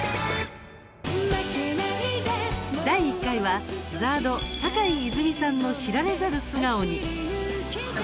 第１回はＺＡＲＤ坂井泉水さんの知られざる素顔に。